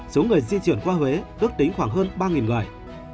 số người di chuyển qua huế ước tính khoảng hơn ba người